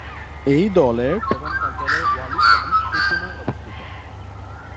এই দলের প্রধান কার্যালয় ওয়ালিস এবং ফুতুনায় অবস্থিত।